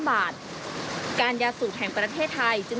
ประกอบกับต้นทุนหลักที่เพิ่มขึ้น